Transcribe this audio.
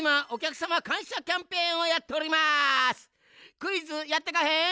クイズやってかへん？